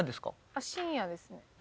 あっ深夜ですね。